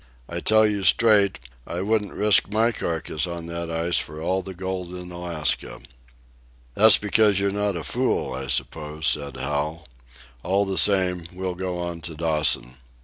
I tell you straight, I wouldn't risk my carcass on that ice for all the gold in Alaska." "That's because you're not a fool, I suppose," said Hal. "All the same, we'll go on to Dawson."